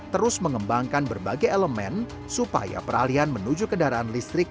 terus mengembangkan berbagai elemen supaya peralihan menuju kendaraan listrik